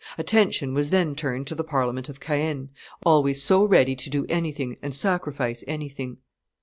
Attention was then turned to the Parliament of Caen, always so ready to do anything and sacrifice anything.